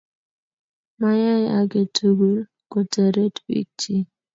mayay aketugul koteret biik chii.